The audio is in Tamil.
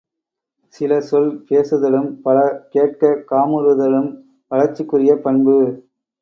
சில சொல் பேசுதலும் பல கேட்கக் காமுறுதலும் வளர்ச்சிக்குரிய பண்பு.